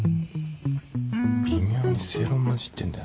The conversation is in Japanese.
微妙に正論交じってんだよな。